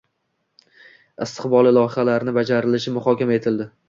Istiqbolli loyihalarning bajarilishi muhokama etildi